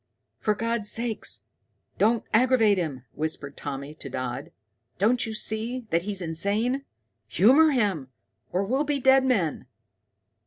"For God's sake don't aggravate him," whispered Tommy to Dodd. "Don't you see that he's insane? Humor him, or we'll be dead men.